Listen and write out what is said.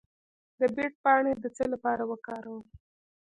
د بید پاڼې د څه لپاره وکاروم؟